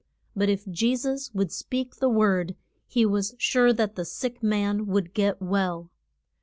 But if Je sus would speak the word, he was sure that the sick man would get well.